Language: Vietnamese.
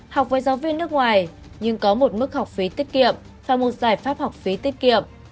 học với giáo viên nước ngoài nhưng có một mức học phí tiết kiệm và một giải pháp học phí tiết kiệm